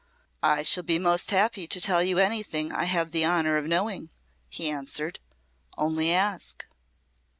"I shall be most happy to tell you anything I have the honour of knowing," he answered. "Only ask."